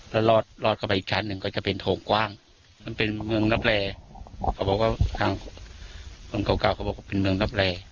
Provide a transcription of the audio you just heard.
แล้วรอดรอดเข้าไปอีกชั้นหนึ่งก็จะเป็นโถงกว้างมันเป็นเมืองรับแรเขาบอกว่าทางคนเก่าเก่าเขาบอกว่าเป็นเมืองรับแร่